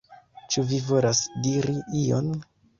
Ĉu vi volas diri ion?